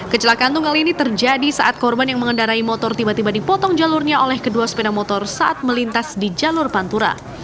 kecelakaan tunggal ini terjadi saat korban yang mengendarai motor tiba tiba dipotong jalurnya oleh kedua sepeda motor saat melintas di jalur pantura